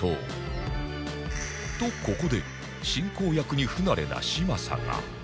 とここで進行役に不慣れな嶋佐が